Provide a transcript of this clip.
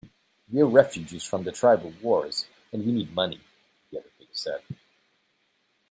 "We're refugees from the tribal wars, and we need money," the other figure said.